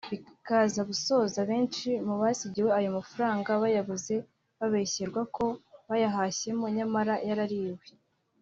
bikaza gusoza benshi mu basigiweyo ayo mafaranga bayabuze (babeshyerwa ko bayahashyemo nyamara yarariwe